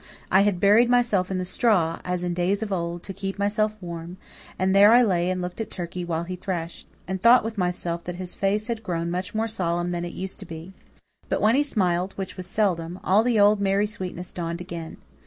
I had buried myself in the straw, as in days of old, to keep myself warm, and there I lay and looked at Turkey while he thrashed, and thought with myself that his face had grown much more solemn than it used to be. But when he smiled, which was seldom, all the old merry sweetness dawned again.